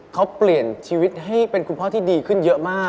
เขาเปลี่ยนชีวิตให้เป็นคุณพ่อที่ดีขึ้นเยอะมาก